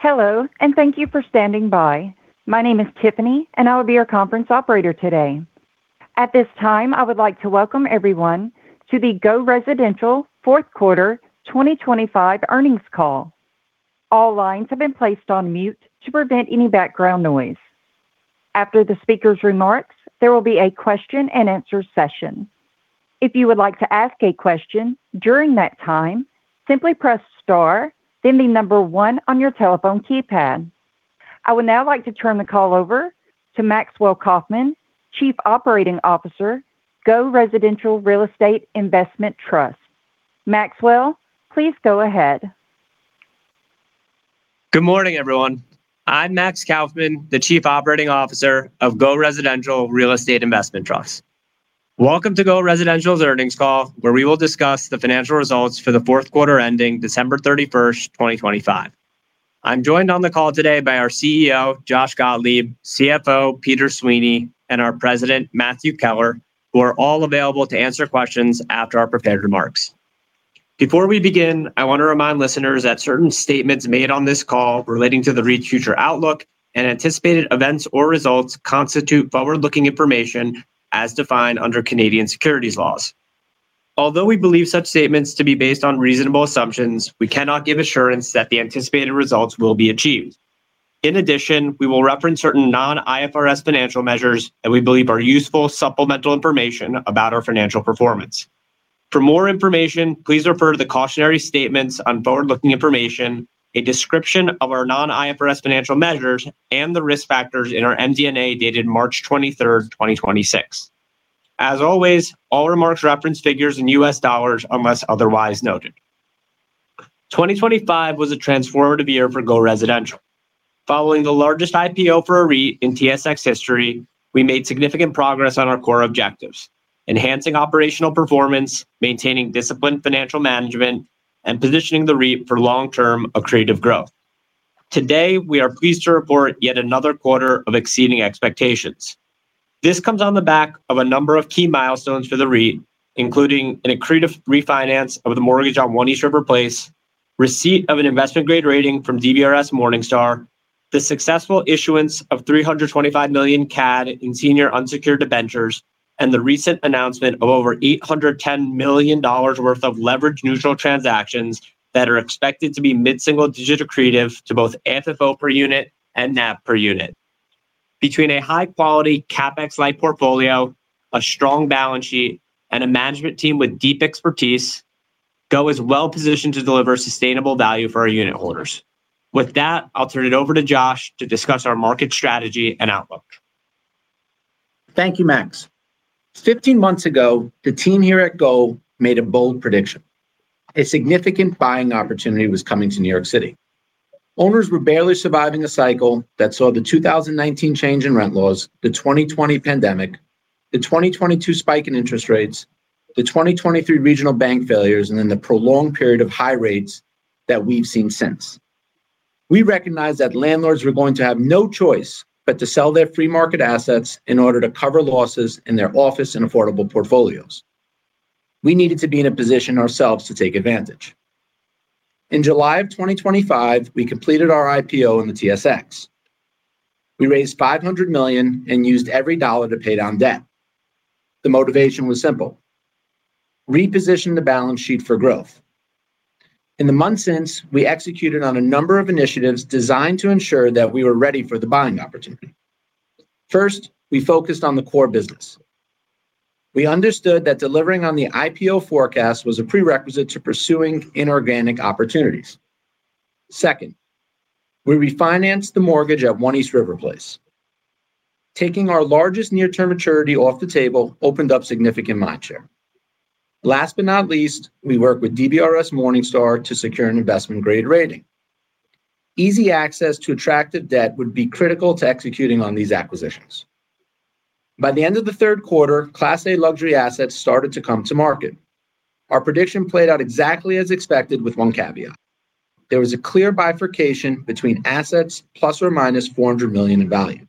Hello, and thank you for standing by. My name is Tiffany, and I will be your conference operator today. At this time, I would like to welcome everyone to the GO Residential Fourth Quarter 2025 Earnings Call. All lines have been placed on mute to prevent any background noise. After the speaker's remarks, there will be a question and answer session. If you would like to ask a question during that time, simply press star then one on your telephone keypad. I would now like to turn the call over to Maxwell Kaufman, Chief Operating Officer, GO Residential Real Estate Investment Trust. Maxwell, please go ahead. Good morning, everyone. I'm Max Kaufman, the Chief Operating Officer of GO Residential Real Estate Investment Trust. Welcome to GO Residential's earnings call, where we will discuss the financial results for the fourth quarter ending December 31, 2025. I'm joined on the call today by our CEO, Joshua Gotlib, CFO, Peter Sweeney, and our President, Matthew Keller, who are all available to answer questions after our prepared remarks. Before we begin, I want to remind listeners that certain statements made on this call relating to the REIT future outlook and anticipated events or results constitute forward-looking information as defined under Canadian securities laws. Although we believe such statements to be based on reasonable assumptions, we cannot give assurance that the anticipated results will be achieved. In addition, we will reference certain non-IFRS financial measures that we believe are useful supplemental information about our financial performance. For more information, please refer to the cautionary statements on forward-looking information, a description of our non-IFRS financial measures, and the risk factors in our MD&A dated March 23, 2026. As always, all remarks reference figures in U.S. dollars unless otherwise noted. 2025 was a transformative year for GO Residential. Following the largest IPO for a REIT in TSX history, we made significant progress on our core objectives, enhancing operational performance, maintaining disciplined financial management, and positioning the REIT for long-term accretive growth. Today, we are pleased to report yet another quarter of exceeding expectations. This comes on the back of a number of key milestones for the REIT, including an accretive refinance of the mortgage on One East River Place, receipt of an investment-grade rating from Morningstar DBRS, the successful issuance of 325 million CAD in senior unsecured debentures, and the recent announcement of over $810 million worth of leverage neutral transactions that are expected to be mid-single digit accretive to both AFFO per unit and NAV per unit. Between a high-quality CapEx-light portfolio, a strong balance sheet, and a management team with deep expertise, GO is well-positioned to deliver sustainable value for our unitholders. With that, I'll turn it over to Josh to discuss our market strategy and outlook. Thank you, Max. 15 months ago, the team here at GO made a bold prediction. A significant buying opportunity was coming to New York City. Owners were barely surviving a cycle that saw the 2019 change in rent laws, the 2020 pandemic, the 2022 spike in interest rates, the 2023 regional bank failures, and then the prolonged period of high rates that we've seen since. We recognized that landlords were going to have no choice but to sell their free market assets in order to cover losses in their office and affordable portfolios. We needed to be in a position ourselves to take advantage. In July of 2025, we completed our IPO on the TSX. We raised $500 million and used every dollar to pay down debt. The motivation was simple, reposition the balance sheet for growth. In the months since, we executed on a number of initiatives designed to ensure that we were ready for the buying opportunity. First, we focused on the core business. We understood that delivering on the IPO forecast was a prerequisite to pursuing inorganic opportunities. Second, we refinanced the mortgage at One East River Place. Taking our largest near-term maturity off the table opened up significant match there. Last but not least, we worked with Morningstar DBRS to secure an investment-grade rating. Easy access to attractive debt would be critical to executing on these acquisitions. By the end of the third quarter, Class A luxury assets started to come to market. Our prediction played out exactly as expected with one caveat. There was a clear bifurcation between assets ±$400 million in value.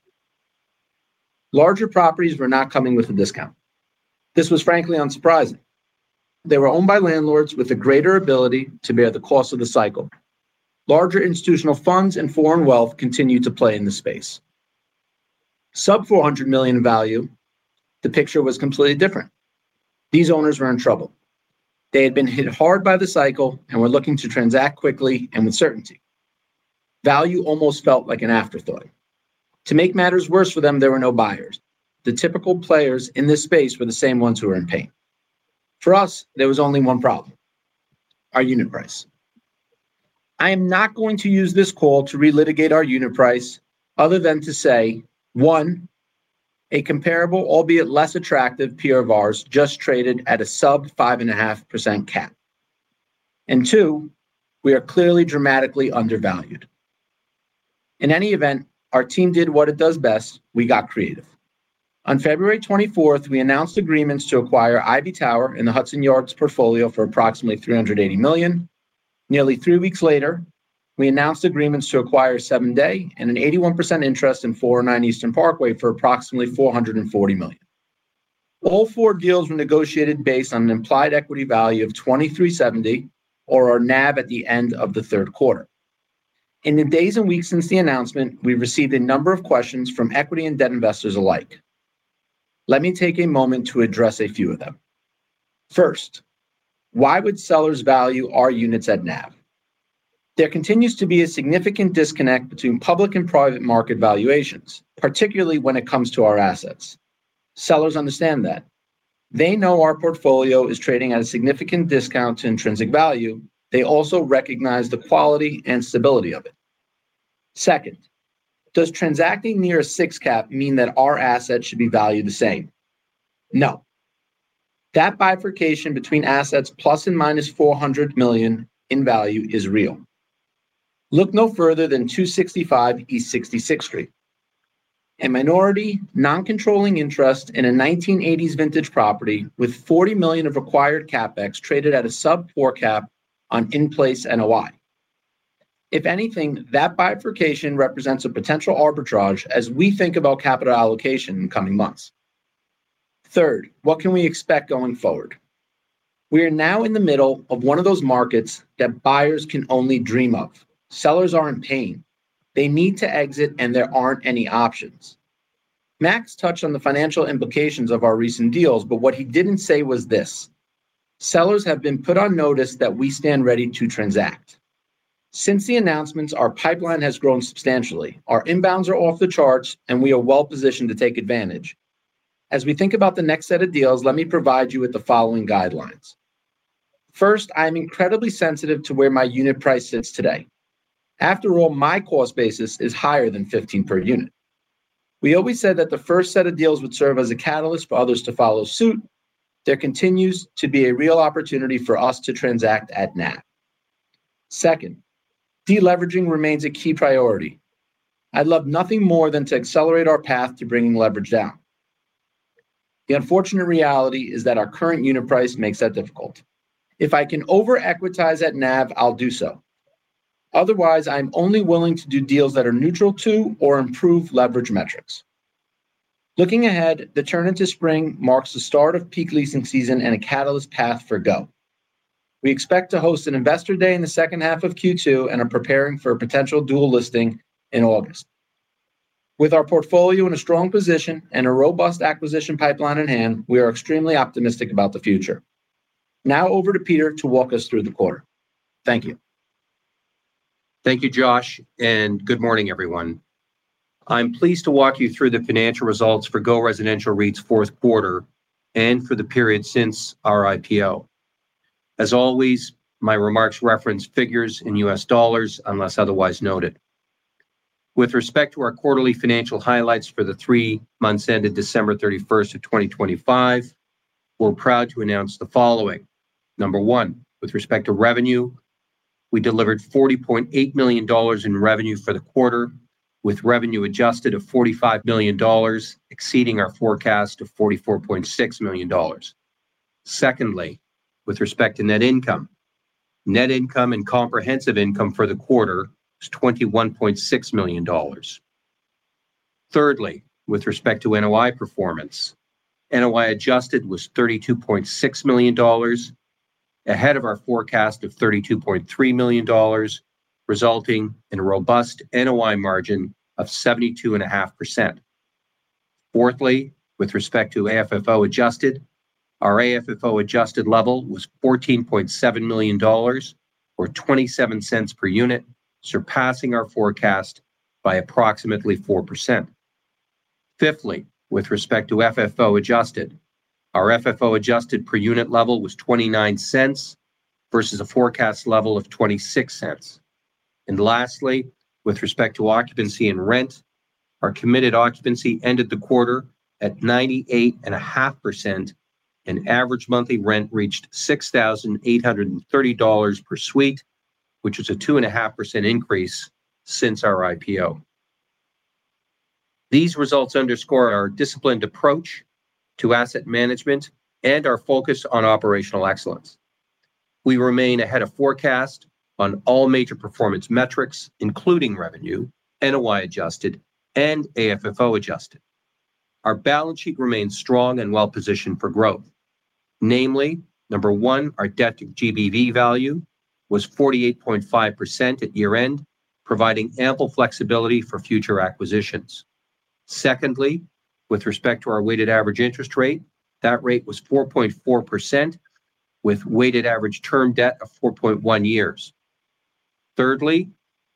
Larger properties were not coming with a discount. This was frankly unsurprising. They were owned by landlords with a greater ability to bear the cost of the cycle. Larger institutional funds and foreign wealth continued to play in the space. Sub $400 million in value, the picture was completely different. These owners were in trouble. They had been hit hard by the cycle and were looking to transact quickly and with certainty. Value almost felt like an afterthought. To make matters worse for them, there were no buyers. The typical players in this space were the same ones who were in pain. For us, there was only one problem: our unit price. I am not going to use this call to relitigate our unit price other than to say, one, a comparable, albeit less attractive, peer of ours just traded at a sub 5.5% cap. Two, we are clearly dramatically undervalued. In any event, our team did what it does best. We got creative. On February 24, we announced agreements to acquire Ivy Tower and the Hudson Yards portfolio for approximately $380 million. Nearly three weeks later, we announced agreements to acquire 7 Dey and an 81% interest in 409 Eastern Parkway for approximately $440 million. All four deals were negotiated based on an implied equity value of $23.70 or our NAV at the end of the third quarter. In the days and weeks since the announcement, we've received a number of questions from equity and debt investors alike. Let me take a moment to address a few of them. First, why would sellers value our units at NAV? There continues to be a significant disconnect between public and private market valuations, particularly when it comes to our assets. Sellers understand that. They know our portfolio is trading at a significant discount to intrinsic value. They also recognize the quality and stability of it. Second, does transacting near a six cap mean that our assets should be valued the same? No. That bifurcation between assets ±$400 million in value is real. Look no further than 265 East 66th Street. A minority non-controlling interest in a 1980s vintage property with $40 million of acquired CapEx traded at a sub four cap on in-place NOI. If anything, that bifurcation represents a potential arbitrage as we think about capital allocation in coming months. Third, what can we expect going forward? We are now in the middle of one of those markets that buyers can only dream of. Sellers are in pain. They need to exit, and there aren't any options. Max touched on the financial implications of our recent deals, but what he didn't say was this. Sellers have been put on notice that we stand ready to transact. Since the announcements, our pipeline has grown substantially. Our inbounds are off the charts, and we are well positioned to take advantage. As we think about the next set of deals, let me provide you with the following guidelines. First, I am incredibly sensitive to where my unit price sits today. After all, my cost basis is higher than 15 per unit. We always said that the first set of deals would serve as a catalyst for others to follow suit. There continues to be a real opportunity for us to transact at NAV. Second, deleveraging remains a key priority. I'd love nothing more than to accelerate our path to bringing leverage down. The unfortunate reality is that our current unit price makes that difficult. If I can over-equitize at NAV, I'll do so. Otherwise, I'm only willing to do deals that are neutral to or improve leverage metrics. Looking ahead, the turn into spring marks the start of peak leasing season and a catalyst path for GO. We expect to host an investor day in the second half of Q2 and are preparing for a potential dual listing in August. With our portfolio in a strong position and a robust acquisition pipeline in hand, we are extremely optimistic about the future. Now over to Peter to walk us through the quarter. Thank you. Thank you, Josh Gotlib, and good morning, everyone. I'm pleased to walk you through the financial results for GO Residential REIT's fourth quarter and for the period since our IPO. As always, my remarks reference figures in U.S. dollars unless otherwise noted. With respect to our quarterly financial highlights for the three months ended December 31, 2025, we're proud to announce the following. Number one, with respect to revenue, we delivered $40.8 million in revenue for the quarter, with revenue adjusted of $45 million exceeding our forecast of $44.6 million. Secondly, with respect to net income, net income and comprehensive income for the quarter is $21.6 million. Thirdly, with respect to NOI performance, NOI adjusted was $32.6 million ahead of our forecast of $32.3 million, resulting in a robust NOI margin of 72.5%. Fourthly, with respect to AFFO adjusted, our AFFO adjusted level was $14.7 million or $0.27 per unit, surpassing our forecast by approximately 4%. Fifthly, with respect to FFO adjusted, our FFO adjusted per unit level was $0.29 versus a forecast level of $0.26. Lastly, with respect to occupancy and rent, our committed occupancy ended the quarter at 98.5%, and average monthly rent reached $6,830 per suite, which is a 2.5% increase since our IPO. These results underscore our disciplined approach to asset management and our focus on operational excellence. We remain ahead of forecast on all major performance metrics, including revenue, NOI adjusted, and AFFO adjusted. Our balance sheet remains strong and well-positioned for growth. Namely, number one, our debt to GBV value was 48.5% at year-end, providing ample flexibility for future acquisitions. Secondly, with respect to our weighted average interest rate, that rate was 4.4% with weighted average term debt of 4.1 years. Thirdly,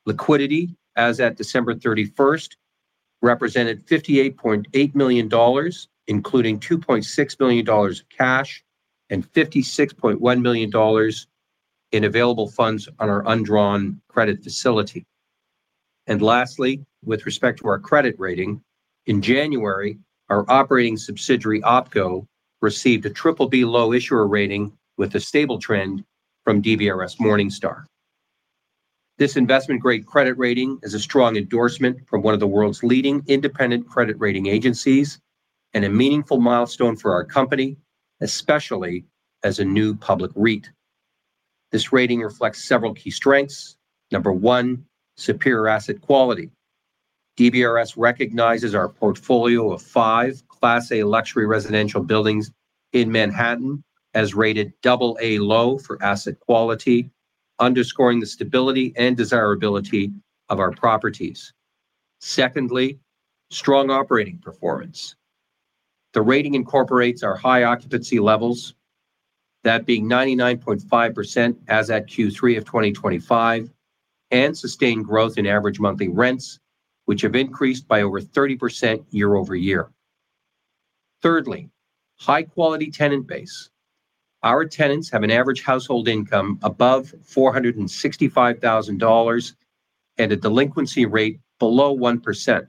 liquidity as at December 31 represented $58.8 million, including $2.6 million of cash and $56.1 million in available funds on our undrawn credit facility. Lastly, with respect to our credit rating, in January, our operating subsidiary OpCo received a BBB (low) issuer rating with a stable trend from Morningstar DBRS. This investment-grade credit rating is a strong endorsement from one of the world's leading independent credit rating agencies and a meaningful milestone for our company, especially as a new public REIT. This rating reflects several key strengths. One, superior asset quality. DBRS recognizes our portfolio of five Class A luxury residential buildings in Manhattan as rated AA low for asset quality, underscoring the stability and desirability of our properties. Secondly, strong operating performance. The rating incorporates our high occupancy levels, that being 99.5% as at Q3 of 2025, and sustained growth in average monthly rents, which have increased by over 30% year-over-year. Thirdly, high quality tenant base. Our tenants have an average household income above $465,000 and a delinquency rate below 1%,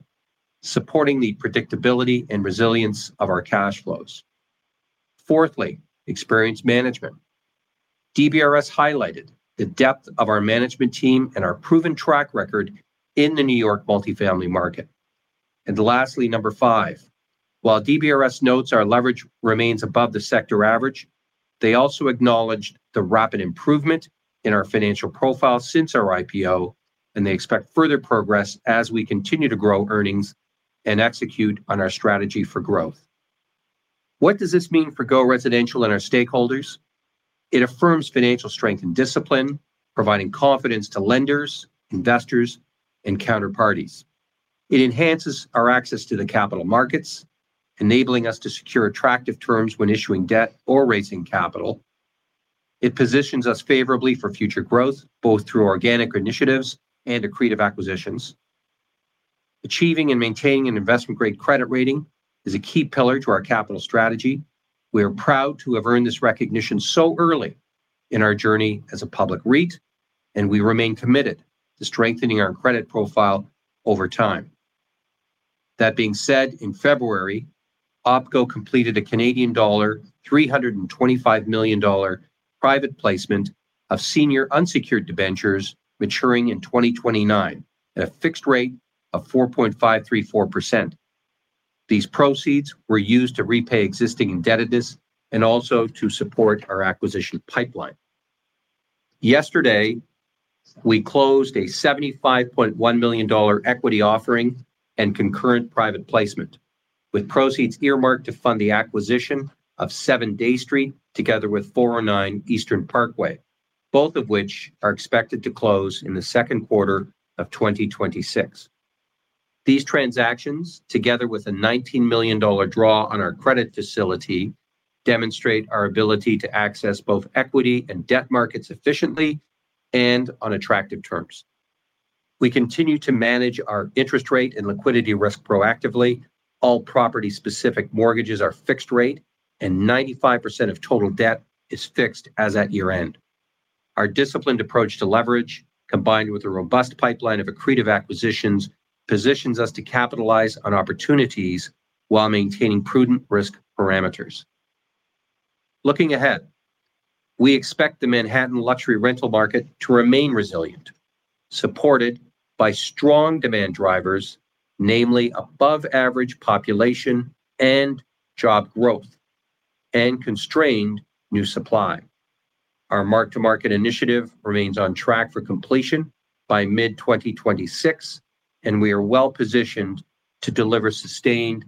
supporting the predictability and resilience of our cash flows. Fourthly, experienced management. DBRS highlighted the depth of our management team and our proven track record in the New York multifamily market. Lastly, number five, while DBRS notes our leverage remains above the sector average, they also acknowledged the rapid improvement in our financial profile since our IPO, and they expect further progress as we continue to grow earnings and execute on our strategy for growth. What does this mean for GO Residential and our stakeholders? It affirms financial strength and discipline, providing confidence to lenders, investors, and counterparties. It enhances our access to the capital markets, enabling us to secure attractive terms when issuing debt or raising capital. It positions us favorably for future growth, both through organic initiatives and accretive acquisitions. Achieving and maintaining an investment-grade credit rating is a key pillar to our capital strategy. We are proud to have earned this recognition so early in our journey as a public REIT, and we remain committed to strengthening our credit profile over time. That being said, in February, OpCo completed a Canadian dollar 325 million private placement of senior unsecured debentures maturing in 2029 at a fixed rate of 4.534%. These proceeds were used to repay existing indebtedness and also to support our acquisition pipeline. Yesterday, we closed a $75.1 million equity offering and concurrent private placement, with proceeds earmarked to fund the acquisition of 7 Dey Street together with 409 Eastern Parkway, both of which are expected to close in the second quarter of 2026. These transactions, together with a $19 million draw on our credit facility, demonstrate our ability to access both equity and debt markets efficiently and on attractive terms. We continue to manage our interest rate and liquidity risk proactively. All property-specific mortgages are fixed rate, and 95% of total debt is fixed as at year-end. Our disciplined approach to leverage, combined with a robust pipeline of accretive acquisitions, positions us to capitalize on opportunities while maintaining prudent risk parameters. Looking ahead, we expect the Manhattan luxury rental market to remain resilient, supported by strong demand drivers, namely above average population and job growth and constrained new supply. Our mark-to-market initiative remains on track for completion by mid-2026, and we are well positioned to deliver sustained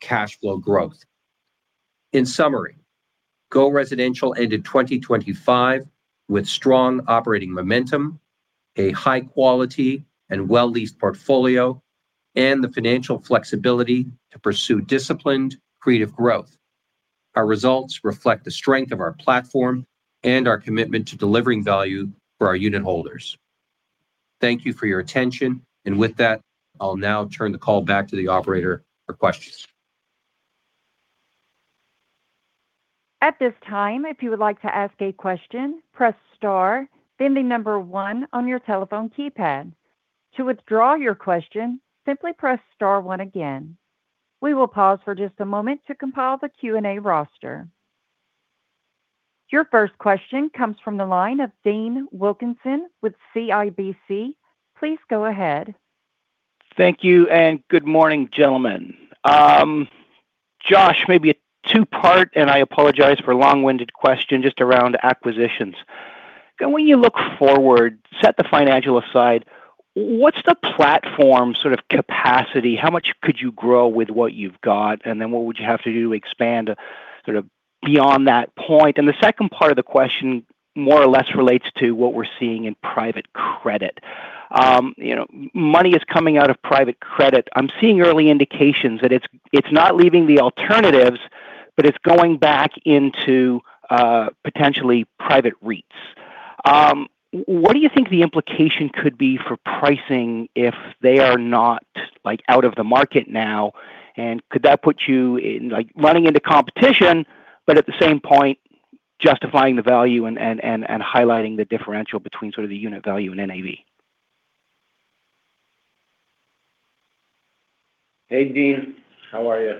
cash flow growth. In summary, GO Residential ended 2025 with strong operating momentum, a high quality and well-leased portfolio, and the financial flexibility to pursue disciplined creative growth. Our results reflect the strength of our platform and our commitment to delivering value for our unit holders. Thank you for your attention, and with that, I'll now turn the call back to the operator for questions. At this time, if you would like to ask a question, press star, then one on your telephone keypad. To withdraw your question, simply press star one again. We will pause for just a moment to compile the Q&A roster. Your first question comes from the line of Dean Wilkinson with CIBC. Please go ahead. Thank you, and good morning, gentlemen. Josh, maybe a two-part, and I apologize for a long-winded question just around acquisitions. When you look forward, set the financial aside, what's the platform sort of capacity? How much could you grow with what you've got? And then what would you have to do to expand sort of beyond that point? And the second part of the question more or less relates to what we're seeing in private credit. You know, money is coming out of private credit. I'm seeing early indications that it's not leaving the alternatives, but it's going back into potentially private REITs. What do you think the implication could be for pricing if they are not, like, out of the market now? Could that put you in, like, running into competition, but at the same point, justifying the value and highlighting the differential between sort of the unit value and NAV? Hey, Dean. How are you?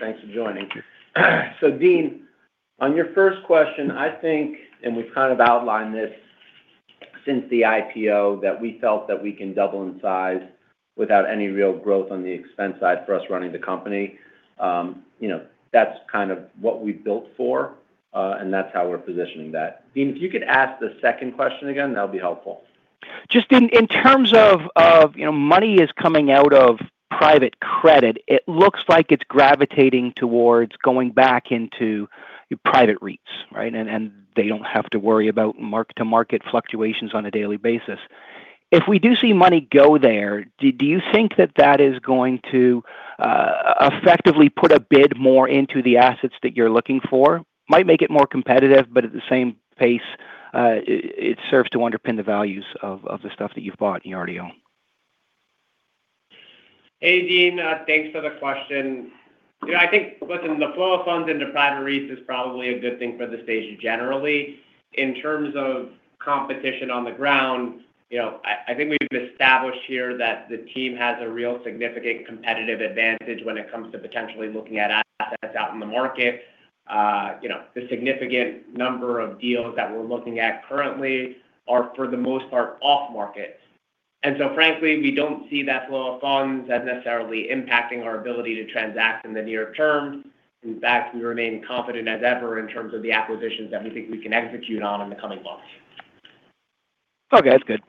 Thanks for joining. Dean, on your first question, I think, and we've kind of outlined this. Since the IPO that we felt that we can double in size without any real growth on the expense side for us running the company, you know, that's kind of what we've built for, and that's how we're positioning that. Dean, if you could ask the second question again, that would be helpful. Just in terms of, you know, money is coming out of private credit. It looks like it's gravitating towards going back into your private REITs, right? They don't have to worry about mark-to-market fluctuations on a daily basis. If we do see money go there, do you think that is going to effectively put a bid more into the assets that you're looking for? Might make it more competitive, but at the same pace, it serves to underpin the values of the stuff that you've bought and you already own. Hey, Dean. Thanks for the question. You know, I think, listen, the flow of funds into private REITs is probably a good thing for the sector generally. In terms of competition on the ground, you know, I think we've established here that the team has a real significant competitive advantage when it comes to potentially looking at assets out in the market. You know, the significant number of deals that we're looking at currently are, for the most part, off-market. Frankly, we don't see that flow of funds as necessarily impacting our ability to transact in the near term. In fact, we remain confident as ever in terms of the acquisitions that we think we can execute on in the coming months. Okay. That's good.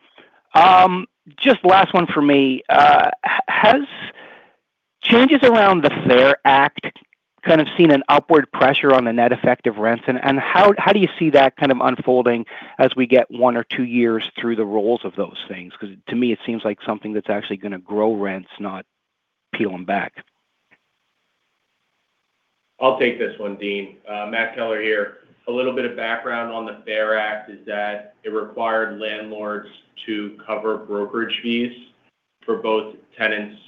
Just last one for me. Has changes around the FARE Act kind of seen an upward pressure on the net effect of rents? How do you see that kind of unfolding as we get one or two years through the rolls of those things? Because to me it seems like something that's actually gonna grow rents, not peel them back. I'll take this one, Dean. Matt Keller here. A little bit of background on the FARE Act is that it required landlords to cover brokerage fees for both tenants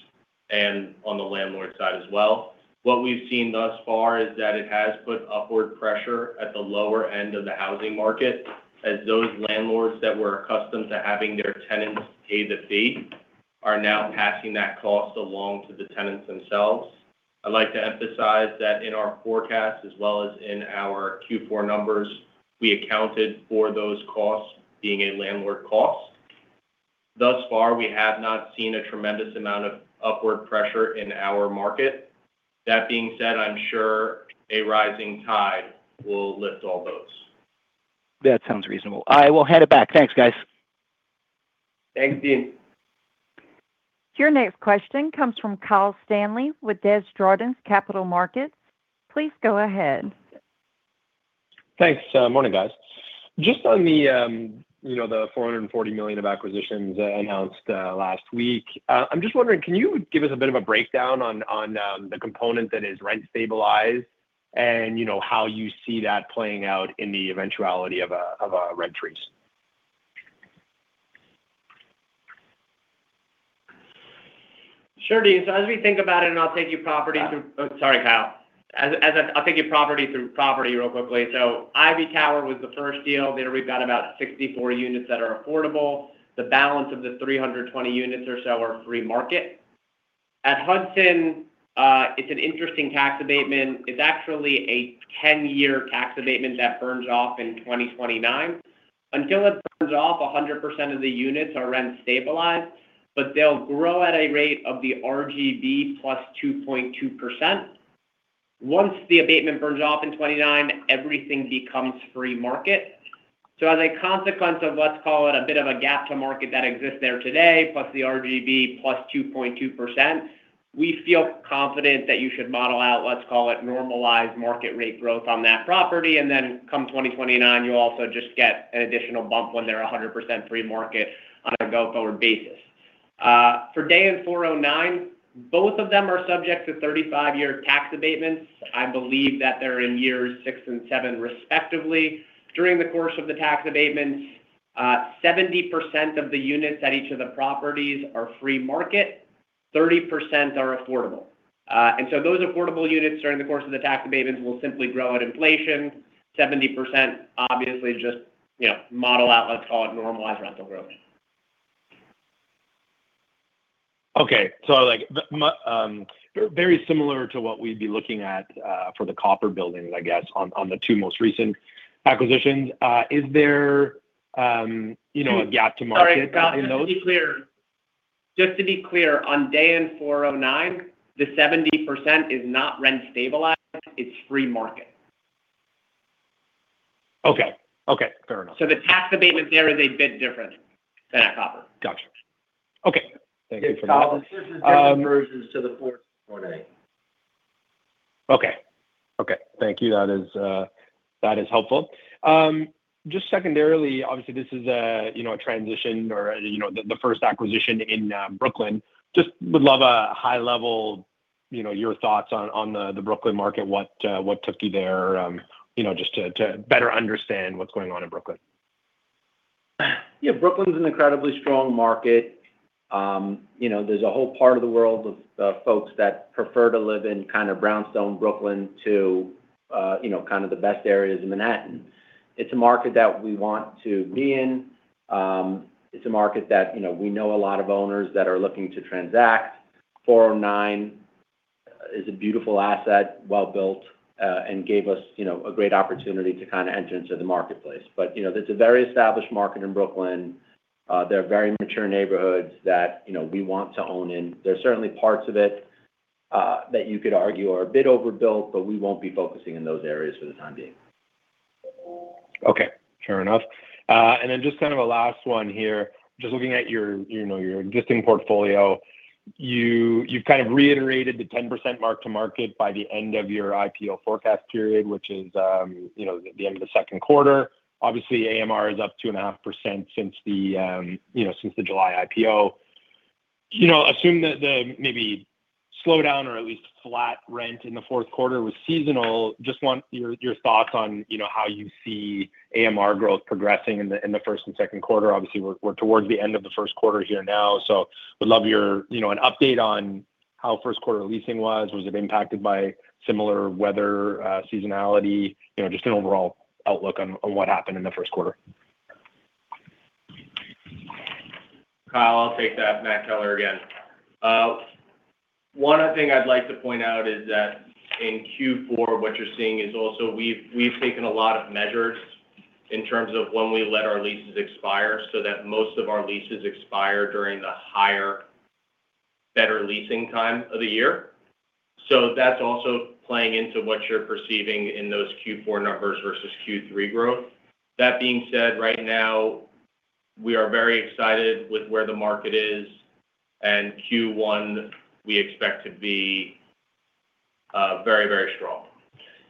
and on the landlord side as well. What we've seen thus far is that it has put upward pressure at the lower end of the housing market as those landlords that were accustomed to having their tenants pay the fee are now passing that cost along to the tenants themselves. I'd like to emphasize that in our forecast, as well as in our Q4 numbers, we accounted for those costs being a landlord cost. Thus far, we have not seen a tremendous amount of upward pressure in our market. That being said, I'm sure a rising tide will lift all boats. That sounds reasonable. I will hand it back. Thanks, guys. Thanks, Dean. Your next question comes from Kyle Stanley with Desjardins Capital Markets. Please go ahead. Thanks. Morning, guys. Just on the, you know, $440 million of acquisitions announced last week, I'm just wondering, can you give us a bit of a breakdown on the component that is rent-stabilized and, you know, how you see that playing out in the eventuality of a rent increase? Sure, Dane. As we think about it, and I'll take you property through, sorry, Kyle. I'll take you through property by property really quickly. Ivy Tower was the first deal. There we've got about 64 units that are affordable. The balance of the 320 units or so are free market. At Hudson, it's an interesting tax abatement. It's actually a 10 year tax abatement that burns off in 2029. Until it burns off, 100% of the units are rent-stabilized, but they'll grow at a rate of the RGB +2.2%. Once the abatement burns off in 2029, everything becomes free market. As a consequence of, let's call it, a bit of a gap to market that exists there today, plus the RGB +2.2%, we feel confident that you should model out, let's call it, normalized market rate growth on that property. Come 2029, you also just get an additional bump when they're 100% free market on a go-forward basis. For Dey and 409, both of them are subject to 35 year tax abatements. I believe that they're in years six and seven respectively. During the course of the tax abatements, 70% of the units at each of the properties are free market, 30% are affordable. Those affordable units during the course of the tax abatements will simply grow at inflation. 70% obviously just, you know, model out, let's call it, normalized rental growth. Okay. Like, very similar to what we'd be looking at for the copper buildings, I guess, on the two most recent acquisitions. Is there, you know, a gap to market in those? Sorry, Kyle, just to be clear, on Dey and 409, the 70% is not rent-stabilized, it's free market. Okay. Okay. Fair enough. The tax abatement there is a bit different than at Copper. Gotcha. Okay. Thank you for that. Okay. Thank you. That is helpful. Just secondarily, obviously this is a you know a transition or you know the first acquisition in Brooklyn. Just would love a high level you know your thoughts on the Brooklyn market. What took you there? You know just to better understand what's going on in Brooklyn. Yeah. Brooklyn's an incredibly strong market. You know, there's a whole part of the world of folks that prefer to live in kind of Brownstone Brooklyn to you know, kind of the best areas in Manhattan. It's a market that we want to be in. It's a market that, you know, we know a lot of owners that are looking to transact. 409 Eastern Parkway. It's a beautiful asset, well built, and gave us, you know, a great opportunity to kinda enter into the marketplace. You know, there's a very established market in Brooklyn. There are very mature neighborhoods that, you know, we want to own in. There are certainly parts of it that you could argue are a bit overbuilt, but we won't be focusing in those areas for the time being. Okay. Fair enough. Just kind of a last one here. Just looking at your, you know, your existing portfolio. You've kind of reiterated the 10% mark-to-market by the end of your IPO forecast period, which is, you know, the end of the second quarter. Obviously, AMR is up 2.5% since the, you know, since the July IPO. You know, assume that the maybe slowdown or at least flat rent in the fourth quarter was seasonal. Just want your thoughts on, you know, how you see AMR growth progressing in the first and second quarter. Obviously, we're towards the end of the first quarter here now, so would love your, you know, an update on how first quarter leasing was. Was it impacted by similar weather, seasonality? You know, just an overall outlook on what happened in the first quarter. Kyle, I'll take that. Matt Keller again. One other thing I'd like to point out is that in Q4, what you're seeing is also we've taken a lot of measures in terms of when we let our leases expire, so that most of our leases expire during the higher, better leasing time of the year. That's also playing into what you're perceiving in those Q4 numbers versus Q3 growth. That being said, right now we are very excited with where the market is, and Q1 we expect to be very, very strong.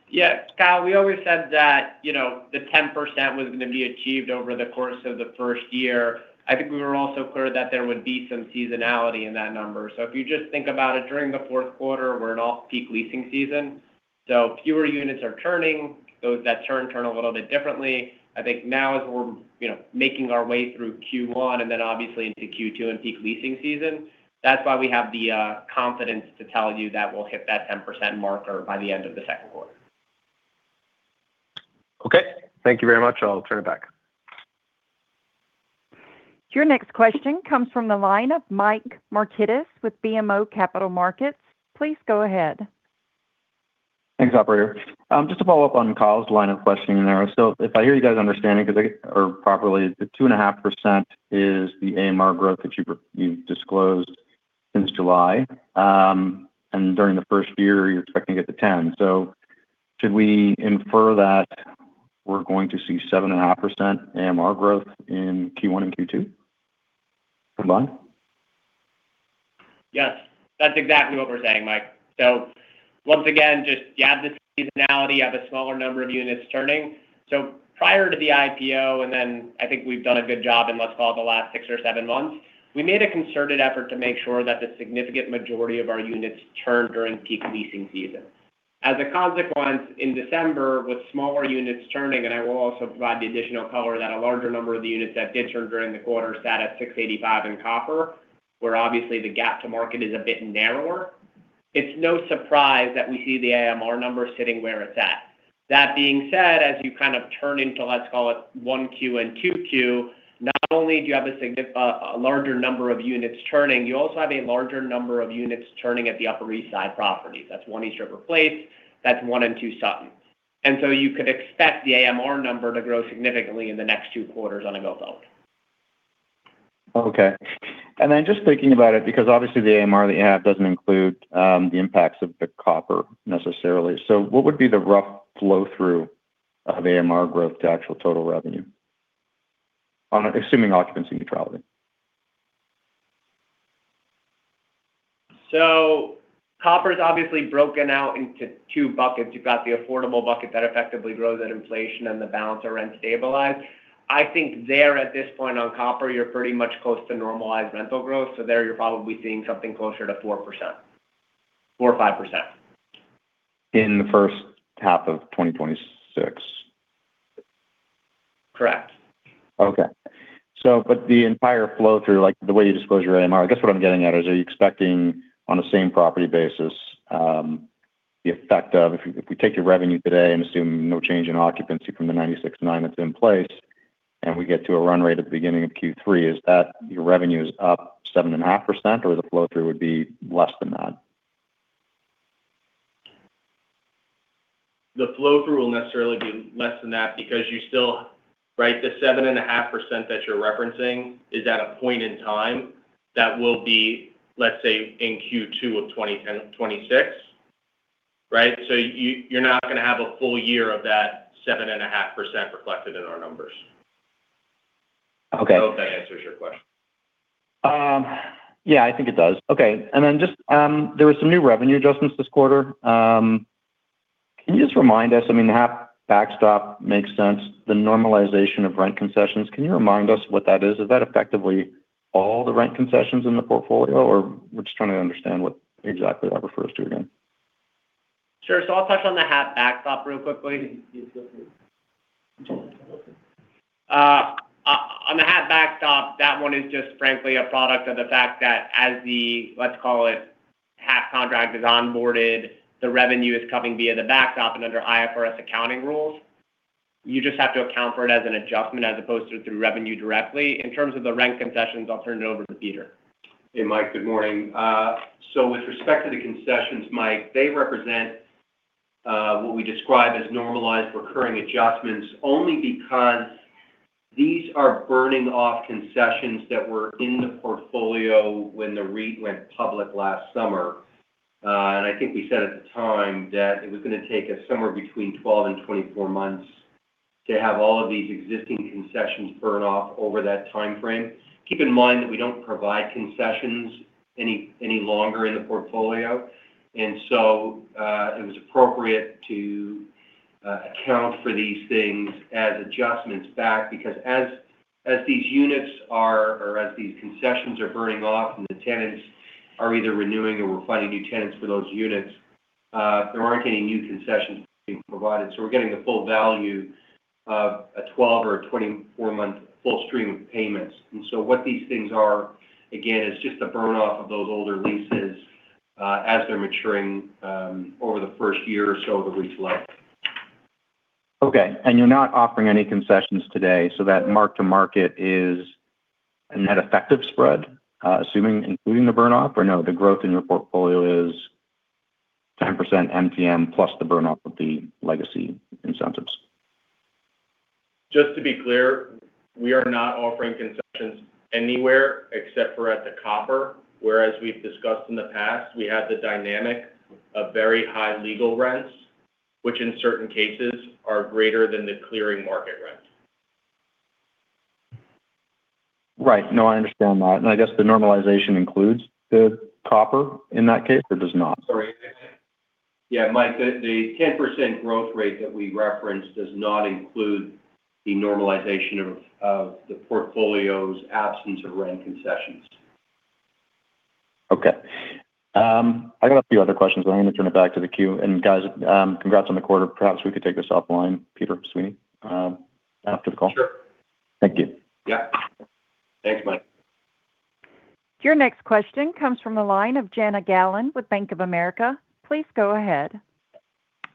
Yeah. Kyle, we always said that, you know, the 10% was gonna be achieved over the course of the first year. I think we were also clear that there would be some seasonality in that number. If you just think about it, during the fourth quarter, we're in an off-peak leasing season, so fewer units are turning. Those that turn a little bit differently. I think now as we're, you know, making our way through Q1 and then obviously into Q2 and peak leasing season, that's why we have the confidence to tell you that we'll hit that 10% marker by the end of the second quarter. Okay. Thank you very much. I'll turn it back. Your next question comes from the line of Michael Markidis with BMO Capital Markets. Please go ahead. Thanks, operator. Just to follow up on Kyle's line of questioning there. If I understand you guys correctly, the 2.5% is the AMR growth that you've disclosed since July. During the first year, you're expecting to get to 10%. Should we infer that we're going to see 7.5% AMR growth in Q1 and Q2 combined? Yes. That's exactly what we're saying, Mike. Once again, just you have the seasonality of a smaller number of units turning. Prior to the IPO, and then I think we've done a good job in, let's call it, the last six or seven months, we made a concerted effort to make sure that the significant majority of our units turned during peak leasing season. As a consequence, in December, with smaller units turning, and I will also provide the additional color that a larger number of the units that did turn during the quarter sat at 685 First Avenue, where obviously the gap to market is a bit narrower, it's no surprise that we see the AMR numbers sitting where it's at. That being said, as you kind of turn into, let's call it, 1Q and 2Q, not only do you have a larger number of units turning, you also have a larger number of units turning at the Upper East Side properties. That's One East River Place, that's One and Two Sutton. You could expect the AMR number to grow significantly in the next two quarters on a go-forward. Just thinking about it, because obviously the AMR that you have doesn't include the impacts of the Copper necessarily. What would be the rough flow-through of AMR growth to actual total revenue on assuming occupancy neutrality? Copper is obviously broken out into two buckets. You've got the affordable bucket that effectively grows at inflation and the balance or rent stabilized. I think there at this point on Copper, you're pretty much close to normalized rental growth. There you're probably seeing something closer to 4%, 4%-5%. In the first half of 2026? Correct. The entire flow through, like the way you disclose your AMR, I guess what I'm getting at is, are you expecting on a same property basis, the effect of if we take your revenue today and assume no change in occupancy from the 96.9 that's in place, and we get to a run rate at the beginning of Q3, is that your revenue is up 7.5%, or the flow through would be less than that? The flow through will necessarily be less than that because you still right? The 7.5% that you're referencing is at a point in time that will be, let's say, in Q2 of 2026. Right? You're not gonna have a full year of that 7.5% reflected in our numbers. Okay. I hope that answers your question. Yeah, I think it does. Okay. Just, there were some new revenue adjustments this quarter. Can you just remind us, I mean, the HAFB backstop makes sense, the normalization of rent concessions. Can you remind us what that is? Is that effectively all the rent concessions in the portfolio, or we're just trying to understand what exactly that refers to again. Sure. I'll touch on the HAFB backstop really quickly. On the HAFB backstop, that one is just frankly a product of the fact that as the, let's call it, HAFB contract is onboarded, the revenue is coming via the backstop and under IFRS accounting rules. You just have to account for it as an adjustment as opposed to through revenue directly. In terms of the rent concessions, I'll turn it over to Peter. Hey, Mike. Good morning. With respect to the concessions, Mike, they represent what we describe as normalized recurring adjustments only because these are burning off concessions that were in the portfolio when the REIT went public last summer. I think we said at the time that it was gonna take us somewhere between 12 and 24 months to have all of these existing concessions burn off over that timeframe. Keep in mind that we don't provide concessions any longer in the portfolio. It was appropriate to account for these things as adjustments back because as these concessions are burning off and the tenants are either renewing or we're finding new tenants for those units, there aren't any new concessions being provided. We're getting the full value of a 12 or 24 month full stream of payments. What these things are, again, is just a burn-off of those older leases, as they're maturing, over the first year or so of the REIT's life. Okay. You're not offering any concessions today, so that mark-to-market is a net effective spread, assuming including the burn-off or no, the growth in your portfolio is 10% MTM plus the burn-off of the legacy incentives. Just to be clear, we are not offering concessions anywhere except for at The Copper, where as we've discussed in the past, we had the dynamic of very high legal rents, which in certain cases are greater than the clearing market rent. Right. No, I understand that. I guess the normalization includes The Copper in that case, or it does not? Sorry. Yeah, Mike, the 10% growth rate that we referenced does not include the normalization of the portfolio's absence of rent concessions. Okay. I got a few other questions, but I'm gonna turn it back to the queue. Guys, congrats on the quarter. Perhaps we could take this offline, Peter Sweeney, after the call. Sure. Thank you. Yeah. Thanks, Mike. Your next question comes from the line of Jana Galan with Bank of America. Please go ahead.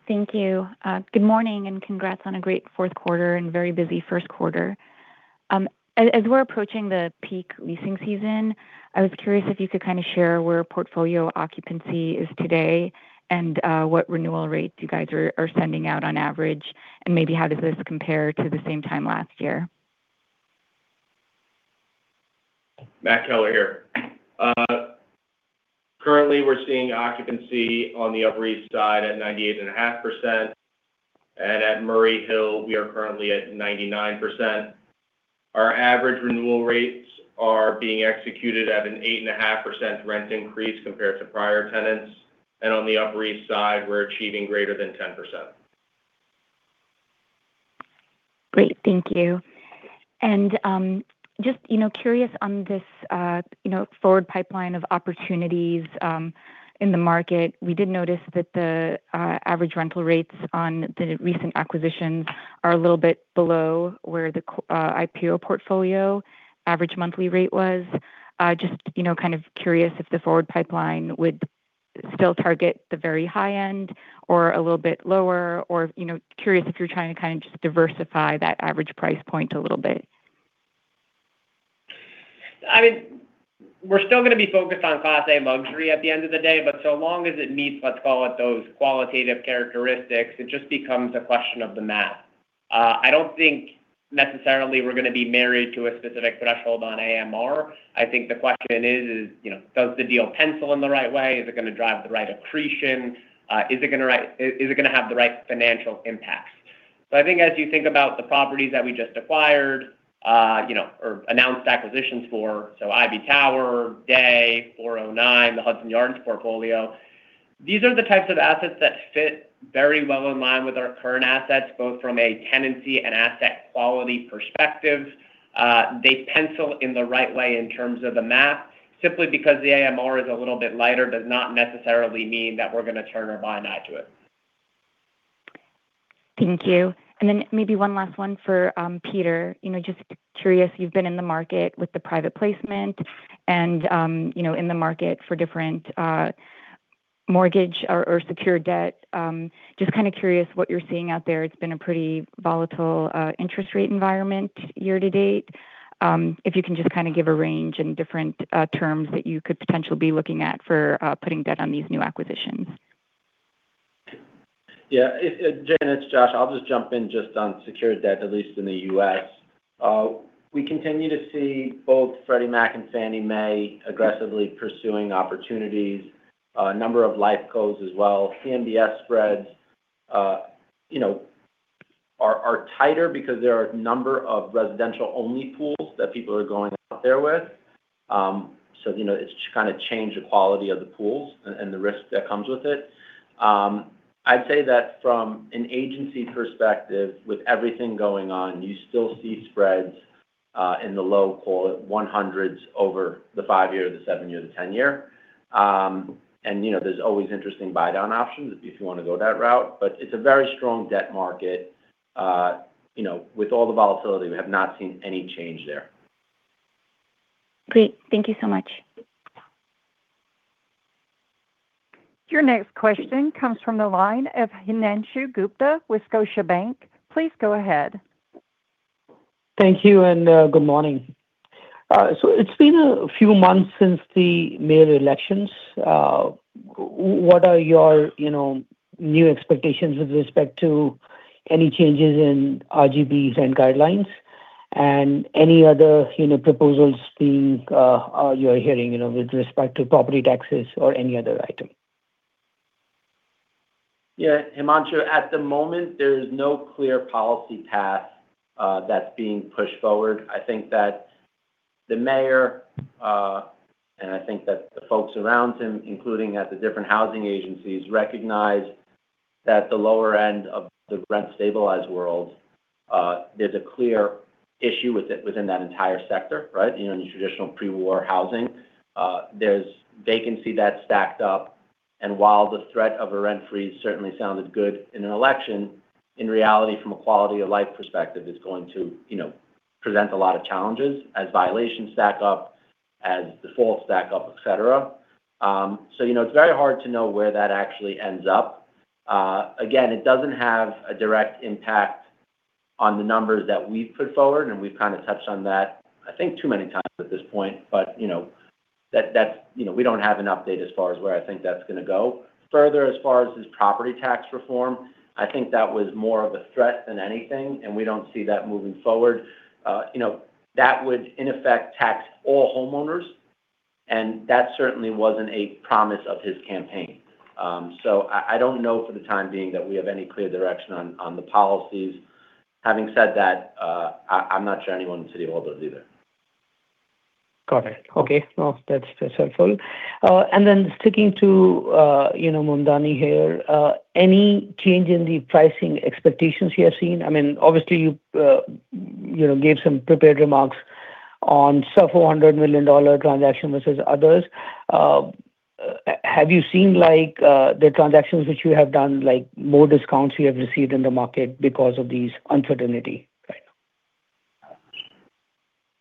Thank you. Good morning and congrats on a great fourth quarter and very busy first quarter. As we're approaching the peak leasing season, I was curious if you could kinda share where portfolio occupancy is today and what renewal rates you guys are sending out on average, and maybe how does this compare to the same time last year? Matt Keller here. Currently we're seeing occupancy on the Upper East Side at 98.5%, and at Murray Hill, we are currently at 99%. Our average renewal rates are being executed at an 8.5% rent increase compared to prior tenants. On the Upper East Side, we're achieving greater than 10%. Great. Thank you. Just, you know, curious on this, you know, forward pipeline of opportunities, in the market, we did notice that the average rental rates on the recent acquisitions are a little bit below where the IPO portfolio average monthly rate was. Just, you know, kind of curious if the forward pipeline would still target the very high end or a little bit lower, or, you know, curious if you're trying to kind of just diversify that average price point a little bit. I mean, we're still gonna be focused on class A luxury at the end of the day, but so long as it meets, let's call it, those qualitative characteristics, it just becomes a question of the math. I don't think necessarily we're gonna be married to a specific threshold on AMR. I think the question is, you know, does the deal pencil in the right way? Is it gonna drive the right accretion? Is it gonna have the right financial impact? I think as you think about the properties that we just acquired, you know, or announced acquisitions for, so Ivy Tower, Dey, 409, the Hudson Yards portfolio, these are the types of assets that fit very well in line with our current assets, both from a tenancy and asset quality perspective. They pencil in the right way in terms of the math. Simply because the AMR is a little bit lighter does not necessarily mean that we're gonna turn our blind eye to it. Thank you. Then maybe one, last one for Peter. You know, just curious, you've been in the market with the private placement and, you know, in the market for different mortgage or secured debt. Just kinda curious what you're seeing out there. It's been a pretty volatile interest rate environment year to date. If you can just kinda give a range and different terms that you could potentially be looking at for putting debt on these new acquisitions. Yeah. Jana, it's Josh. I'll just jump in just on secured debt, at least in the U.S. We continue to see both Freddie Mac and Fannie Mae aggressively pursuing opportunities, a number of life cos as well. CMBS spreads, you know, are tighter because there are a number of residential-only pools that people are going out there with. So, you know, it's kinda changed the quality of the pools and the risk that comes with it. I'd say that from an agency perspective with everything going on, you still see spreads in the low 100s over the five year, the seven year, the 10 year. You know, there's always interesting buy down options if you wanna go that route. It's a very strong debt market. You know, with all the volatility, we have not seen any change there. Great. Thank you so much. Your next question comes from the line of Himanshu Gupta with Scotiabank. Please go ahead. Thank you and good morning. It's been a few months since the mayor elections. What are your, you know, new expectations with respect to any changes in RGBs and guidelines and any other, you know, proposals being, or you're hearing, you know, with respect to property taxes or any other item? Yeah, Himanshu, at the moment, there's no clear policy path that's being pushed forward. I think that the mayor, and I think that the folks around him, including at the different housing agencies, recognize that the lower end of the rent stabilized world, there's a clear issue with it within that entire sector, right? You know, in the traditional pre-war housing. There's vacancy that's stacked up, and while the threat of a rent freeze certainly sounded good in an election, in reality, from a quality of life perspective, it's going to, you know, present a lot of challenges as violations stack up, as defaults stack up, et cetera. So, you know, it's very hard to know where that actually ends up. Again, it doesn't have a direct impact on the numbers that we've put forward, and we've kind of touched on that, I think too many times at this point. You know, that's you know, we don't have an update as far as where I think that's gonna go. Further, as far as his property tax reform, I think that was more of a threat than anything, and we don't see that moving forward. You know, that would in effect tax all homeowners, and that certainly wasn't a promise of his campaign. I don't know for the time being that we have any clear direction on the policies. Having said that, I'm not sure anyone in the city has all those either. Got it. Okay. No, that's helpful. And then sticking to, you know, Mamdani here, any change in the pricing expectations you have seen? I mean, obviously you know, gave some prepared remarks on sub $400 million transaction versus others. Have you seen like, the transactions which you have done, like more discounts you have received in the market because of this uncertainty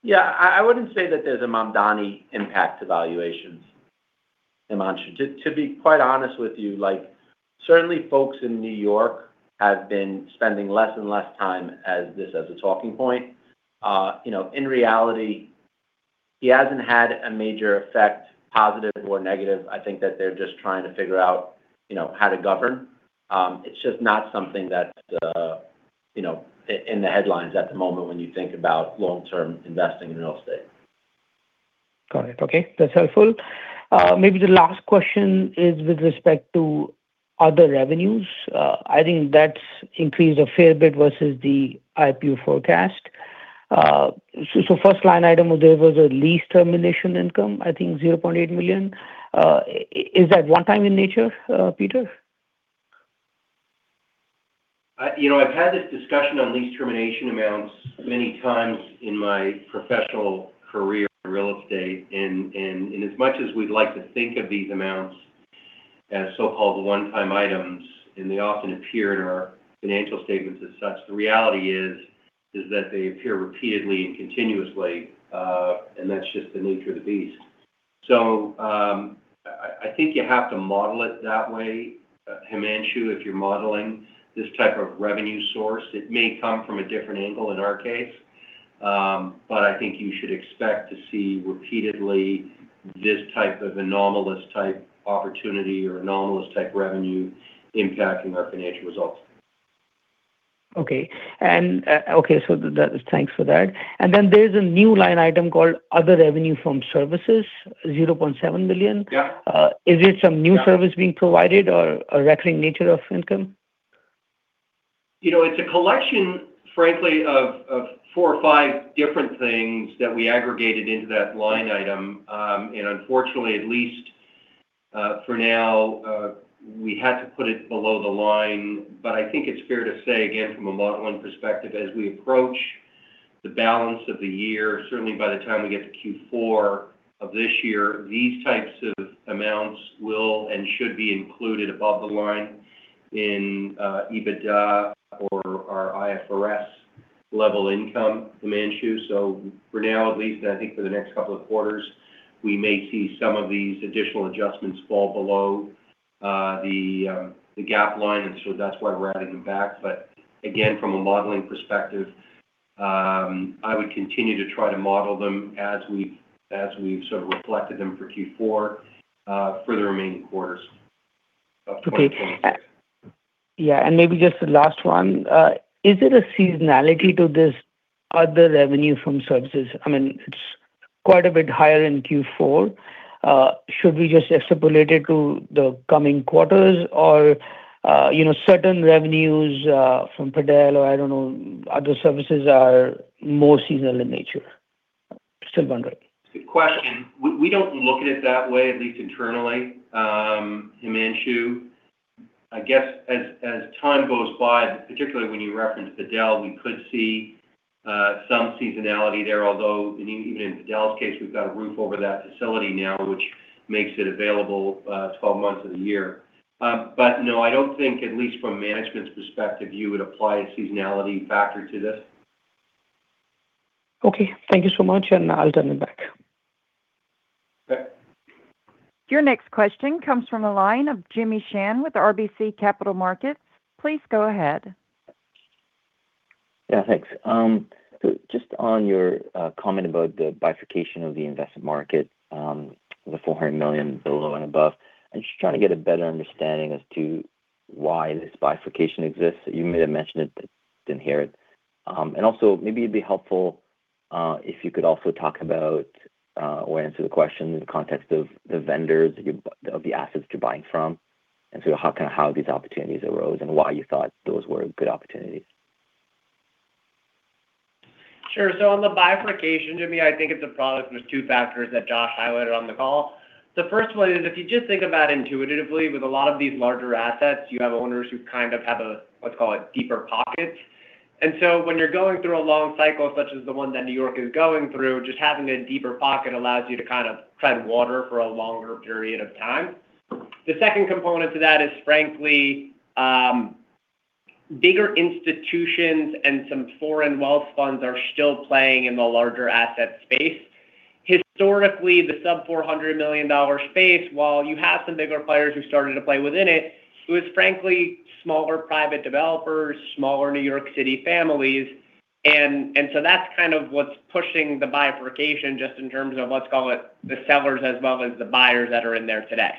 right now? Yeah. I wouldn't say that there's a Mamdani impact to valuations, Himanshu. To be quite honest with you, like certainly folks in New York have been spending less and less time on this as a talking point. You know, in reality, he hasn't had a major effect, positive or negative. I think that they're just trying to figure out, you know, how to govern. It's just not something that's, you know, in the headlines at the moment when you think about long-term investing in real estate. Got it. Okay. That's helpful. Maybe the last question is with respect to other revenues. I think that's increased a fair bit versus the IPO forecast. So first line item there was a lease termination income, I think $0.8 million. Is that one time in nature, Peter? You know, I've had this discussion on lease termination amounts many times in my professional career in real estate. As much as we'd like to think of these amounts as so-called one-time items, and they often appear in our financial statements as such, the reality is that they appear repeatedly and continuously. That's just the nature of the beast. I think you have to model it that way, Himanshu, if you're modeling this type of revenue source. It may come from a different angle in our case. I think you should expect to see repeatedly this type of anomalous type opportunity or anomalous type revenue impacting our financial results. Okay. Okay. That is, thanks for that. There's a new line item called other revenue from services, $0.7 million. Is it some new service being provided or a recurring nature of income? You know, it's a collection, frankly, of four or five different things that we aggregated into that line item. Unfortunately, at least for now, we had to put it below the line. I think it's fair to say, again, from a model one perspective, as we approach the balance of the year, certainly by the time we get to Q4 of this year, these types of amounts will and should be included above the line in EBITDA or our IFRS level income, Himanshu. For now, at least, I think for the next couple of quarters, we may see some of these additional adjustments fall below the GAAP line. That's why we're adding them back. Again, from a modeling perspective, I would continue to try to model them as we've sort of reflected them for Q4 for the remaining quarters of 2020. Okay. Yeah. Maybe just the last one. Is it a seasonality to this other revenue from services? I mean, it's quite a bit higher in Q4. Should we just extrapolate it to the coming quarters or, you know, certain revenues from padel, or I don't know, other services are more seasonal in nature? Still wondering. Good question. We don't look at it that way, at least internally, Himanshu. I guess as time goes by, particularly when you reference padel, we could see some seasonality there. Although even in padel's case, we've got a roof over that facility now, which makes it available 12 months of the year. No, I don't think, at least from management's perspective, you would apply a seasonality factor to this. Okay. Thank you so much, and I'll turn it back. Your next question comes from the line of Jimmy Shan with RBC Capital Markets. Please go ahead. Yeah, thanks. So just on your comment about the bifurcation of the investment market, the $400 million below and above, I'm just trying to get a better understanding as to why this bifurcation exists. You may have mentioned it, but didn't hear it. Also maybe it'd be helpful if you could also talk about or answer the question in the context of the vendors of the assets you're buying from and sort of how, kinda how these opportunities arose and why you thought those were good opportunities. On the bifurcation, Jimmy, I think it's a product of two factors that Josh highlighted on the call. The first one is if you just think about intuitively with a lot of these larger assets, you have owners who kind of have a, let's call it, deeper pockets. When you're going through a long cycle such as the one that New York is going through, just having a deeper pocket allows you to kind of tread water for a longer period of time. The second component to that is frankly, bigger institutions and some foreign wealth funds are still playing in the larger asset space. Historically, the sub $400 million space, while you have some bigger players who started to play within it was frankly smaller private developers, smaller New York City families. That's kind of what's pushing the bifurcation just in terms of, let's call it, the sellers as well as the buyers that are in there today.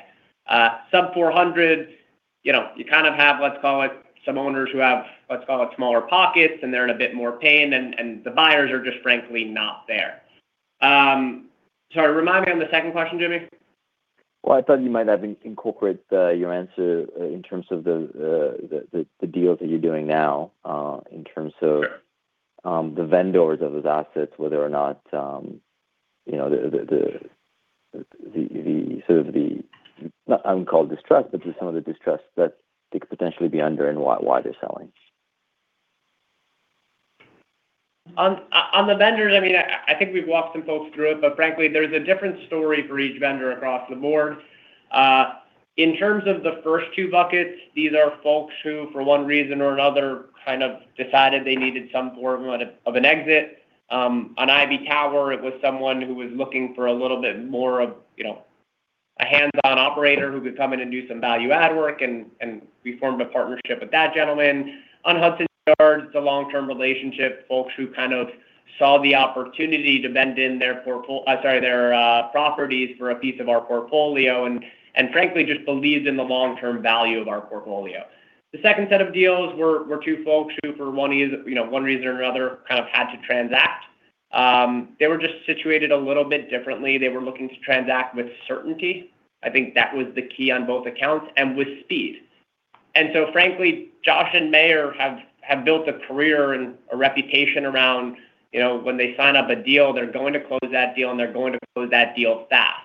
Sub $400, you know, you kind of have, let's call it, some owners who have, let's call it, smaller pockets, and they're in a bit more pain and the buyers are just frankly not there. Sorry, remind me on the second question, Jimmy. Well, I thought you might have incorporated your answer in terms of the deals that you're doing now in terms of the vendors of those assets, whether or not, you know. No, I wouldn't call it distrust, but just some of the distrust that they could potentially be under and why they're selling. On the vendors, I mean, I think we've walked some folks through it, but frankly there's a different story for each vendor across the board. In terms of the first two buckets, these are folks who for one reason or another kind of decided they needed some form of an exit. On Ivy Tower, it was someone who was looking for a little bit more of, you know, a hands-on operator who could come in and do some value add work and we formed a partnership with that gentleman. On Hudson Yards, it's a long-term relationship, folks who kind of saw the opportunity to bend in their properties for a piece of our portfolio and frankly just believed in the long-term value of our portfolio. The second set of deals were two folks who for one reason or another kind of had to transact. They were just situated a little bit differently. They were looking to transact with certainty. I think that was the key on both accounts and with speed. Frankly, Josh and Meyer have built a career and a reputation around, you know, when they sign up a deal, they're going to close that deal, and they're going to close that deal fast.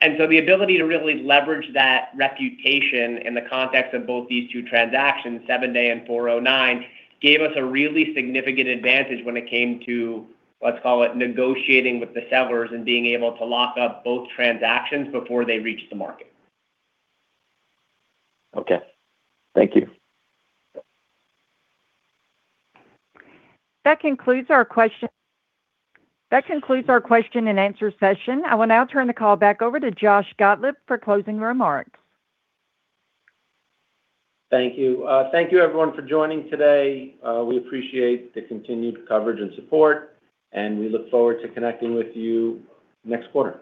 The ability to really leverage that reputation in the context of both these two transactions, 7 Dey Street and 409 Eastern Parkway, gave us a really significant advantage when it came to, let's call it negotiating with the sellers and being able to lock up both transactions before they reached the market. Okay. Thank you. That concludes our question and answer session. I would now like to turn the call over to Josh Gotlib for closing remarks. Thank you everyone for joining today. We appreciate the continued coverage and support, and we look forward to connecting with you next quarter.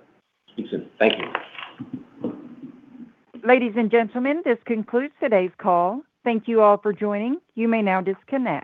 Speak soon. Thank you. Ladies and gentlemen, this concludes today's call. Thank you all for joining. You may now disconnect.